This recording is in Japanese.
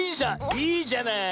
いいじゃない。